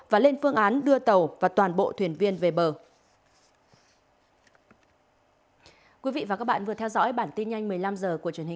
và lên phương án đưa tàu và toàn bộ thuyền viên về bờ